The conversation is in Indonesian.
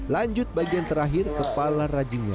lanjut bagian terakhir kepala rajinnya